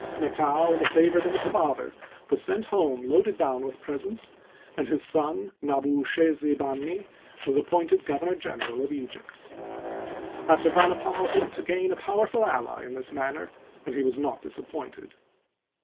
Nekau, the favorite of his father, was sent home loaded down with presents, and his son Nabu ush6zib an ni was appointed governor general of Egypt. Assurbanipal hoped to gain a powerfid ally in this manner, and he was not disap pointed.